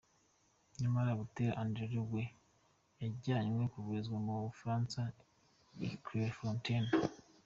Nyamara Buteera Andrew we yajyanywe kuvurizwa mu Bufaransa i Clairefontaine.